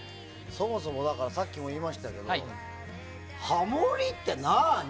そもそもさっきも言いましたけどハモリって何？